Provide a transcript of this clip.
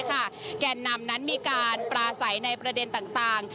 แก่นนำนั้นมีการปลาใสในประเด็นต่าง